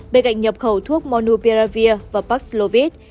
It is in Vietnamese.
bên cạnh nhập khẩu thuốc monupiravir và palovit